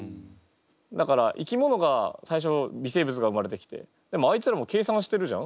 だから生き物が最初微生物が生まれてきてでもあいつらも計算してるじゃん？